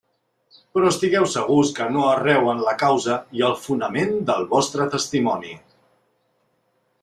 Però estigueu segurs que no erreu en la causa i el fonament del vostre Testimoni.